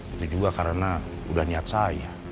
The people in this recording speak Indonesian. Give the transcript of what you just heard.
itu juga karena udah niat saya